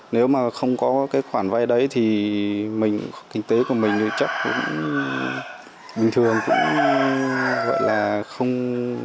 nếu mà không có cái khoản vay đấy thì mình kinh tế của mình thì chắc cũng bình thường cũng gọi là không